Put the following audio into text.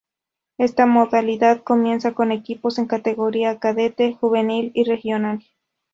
Esta modalidad comienza con equipos en categoría cadete, juvenil y regional.